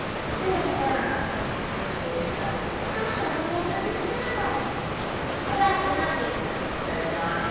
"There, now!" exclaimed Louisa, "how shall we ever get down?" "Oh, that's nothing," said John.